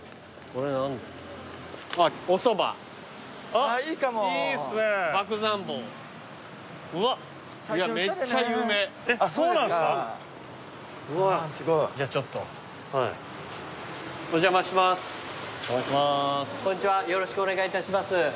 こんにちはよろしくお願いいたします。